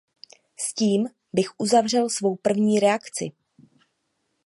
A tím bych uzavřel svou první reakci.